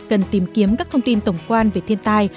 cần tìm kiếm các thông tin tổng quan về thiên tai